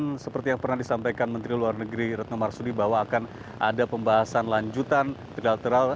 dan seperti yang pernah disampaikan menteri luar negeri retno marsudi bahwa akan ada pembahasan lanjutan trilateral